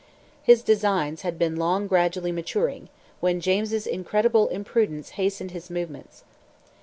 His designs had been long gradually maturing, when James's incredible imprudence hastened his movements.